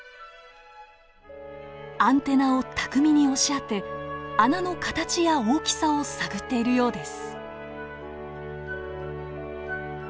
アンテナを巧みに押し当て穴の形や大きさを探っているようです。